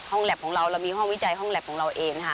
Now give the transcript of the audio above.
แล็ปของเราเรามีห้องวิจัยห้องแล็บของเราเองค่ะ